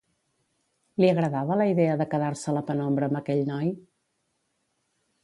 Li agradava la idea de quedar-se a la penombra amb aquell noi?